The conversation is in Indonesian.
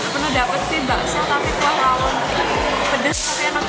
pernah dapet sih bakso tapi kuah rawon pedas tapi enak banget